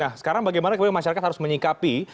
nah sekarang bagaimana kemudian masyarakat harus menyikapi